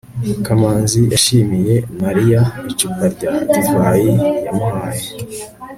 kamanzi yashimiye mariya icupa rya divayi yamuhaye